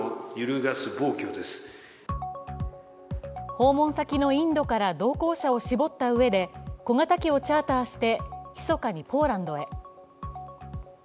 訪問先のインドから同行者を絞ったうえで小型機をチャーターして密かにポーランドへ。